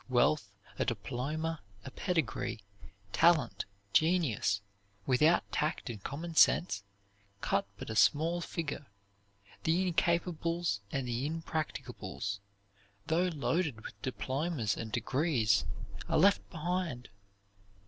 Wealth, a diploma, a pedigree, talent, genius, without tact and common sense, cut but a small figure. The incapables and the impracticables, though loaded with diplomas and degrees, are left behind.